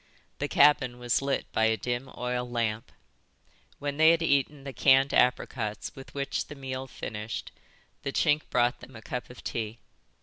The cabin was lit by a dim oil lamp. When they had eaten the canned apricots with which the meal finished the Chink brought them a cup of tea.